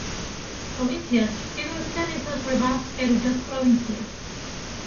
პროვინციას ჩრდილოეთიდან ესაზღვრება პერუჯას პროვინცია.